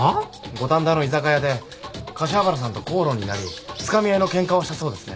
五反田の居酒屋で柏原さんと口論になりつかみ合いのケンカをしたそうですね？